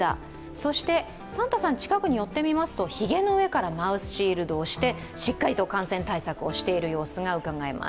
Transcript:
そしてサンタさん、近くに寄ってみますとひげの上からマウスシールドをしてしっかりと感染対策をしている様子がうかがえます。